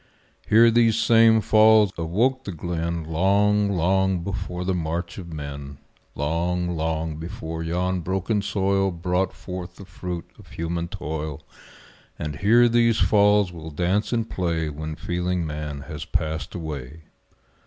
Here these same falls awoke the glen Long, long before the march of men; Long, long before yon broken soil Brought forth the fruit of human toil And here these falls will dance and play When feeling man has passed away.